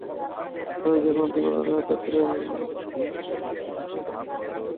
ফলে যেকোনো দুর্ঘটনায় একত্রে অনেক মানুষকে বের করে আনা সম্ভব হবে না।